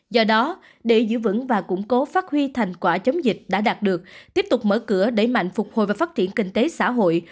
do đó để giữ vững và củng cố phát huy thành quả chống dịch đã đạt được tiếp tục mở cửa đẩy mạnh phục hồi và phát triển kinh tế xã hội